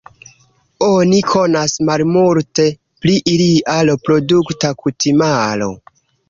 Oni konas malmulte pri ilia reprodukta kutimaro.